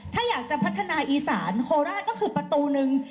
ถ้าอยากจะพัฒนาอีสานโคราชก็คือประตูนึง